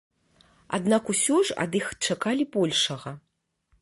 Аднак усё ж ад іх чакалі большага.